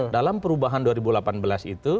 dalam perubahan dua ribu delapan belas itu